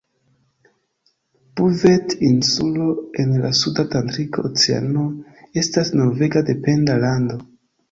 Buvet-Insulo en la suda Atlantika Oceano estas norvega dependa lando.